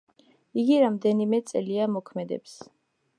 იგი რამდენიმე წელია მოქმედებს.